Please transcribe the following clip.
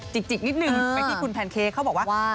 จิกนิดนึงไปที่คุณแพนเค้กเขาบอกว่า